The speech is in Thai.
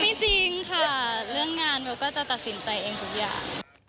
จริงค่ะเรื่องงานเบลก็จะตัดสินใจเองทุกอย่าง